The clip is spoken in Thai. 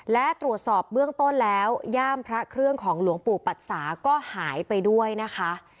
และตรวจสอบเบื้องต้นแล้วย่ามพระเครื่องของหลวงปู่ปัจสาก็หายไปด้วยนะคะ